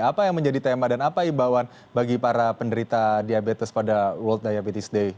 apa yang menjadi tema dan apa imbauan bagi para penderita diabetes pada world diabetes day